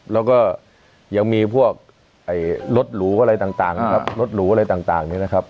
แล้วก็ยังมีพวกรถหรูอะไรต่างนะครับรถหรูอะไรต่างนี้นะครับ